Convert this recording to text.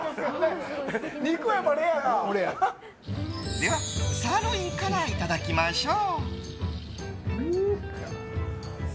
では、サーロインからいただきましょう。